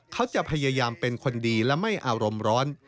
เขาจะพยายามเป็นคนดีและไม่อารมณ์ร้อน